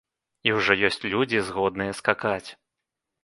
І ўжо ёсць людзі, згодныя скакаць.